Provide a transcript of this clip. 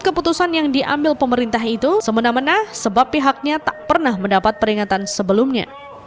keputusan yang diambil pemerintah itu semena mena sebab pihaknya tak pernah mendapat peringatan sebelumnya